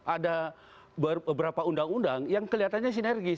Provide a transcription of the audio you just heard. ada beberapa undang undang yang kelihatannya sinergis